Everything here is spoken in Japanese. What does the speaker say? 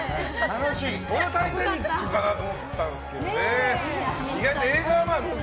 俺は「タイタニック」かと思ったんですが。